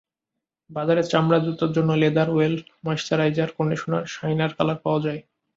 বাজারে চামড়ার জুতার জন্য leather oil, moisturiser, conditioner, shiner colour পাওয়া যায়।